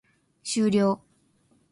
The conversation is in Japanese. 終了